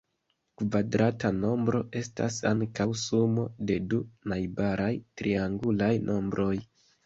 Kvadrata nombro estas ankaŭ sumo de du najbaraj triangulaj nombroj.